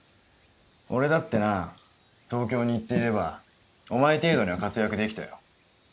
俺だってなぁ東京に行っていればお前程度には活躍できたよ。